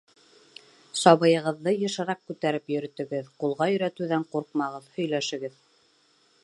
Сабыйығыҙҙы йышыраҡ күтәреп йөрөтөгөҙ, ҡулға өйрәтеүҙән ҡурҡмағыҙ, һөйләшегеҙ.